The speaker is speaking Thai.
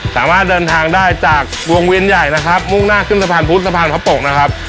สามารถเดินทางได้จากวงเวียนใหญ่นะครับมุ่งหน้าขึ้นสะพานพุธสะพานพระปกนะครับ